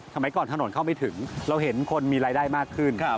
สมัยก่อนถนนเข้าไม่ถึงเราเห็นคนมีรายได้มากขึ้น